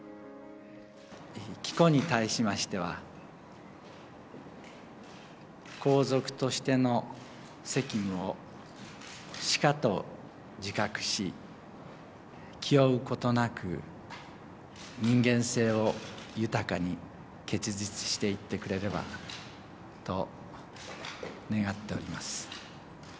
紀子に対しましては、皇族としての責務をしかと自覚し、気負うことなく、人間性を豊かに結実していってくれればと願っております。